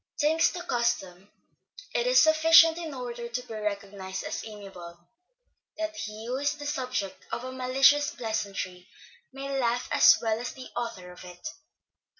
Thanks to custom, it is sufficient in order to be recognised as amiable, that he who is the subject of a malicious pleasantry may laugh as well as the author of it.